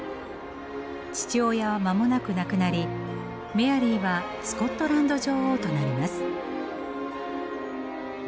父親は間もなく亡くなりメアリーはスコットランド女王となります。